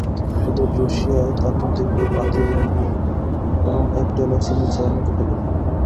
তবে রুশিয়ায় তার মধ্যে একটু পাতিনেবু এবং এক ডেলা চিনি চায়ের মধ্যে ফেলে দেয়।